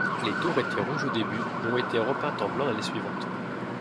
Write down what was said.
Les tours étaient rouges au début mais ont été repeintes en blanc l'année suivante.